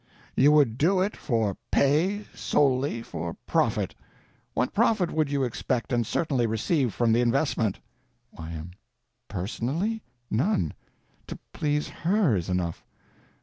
_You would do it for pay, solely _—for profit. What profit would you expect and certainly receive from the investment? Y.M. Personally? None. To please _her _is enough.